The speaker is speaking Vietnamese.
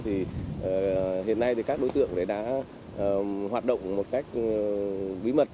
hiện nay các đối tượng đã hoạt động một cách bí mật